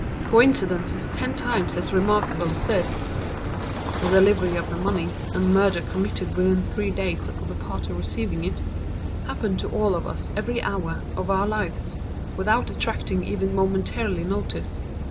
Coincidences ten times as remarkable as this (the delivery of the money, and murder committed within three days upon the party receiving it), happen to all of us every hour of our lives, without attracting even momentary notice.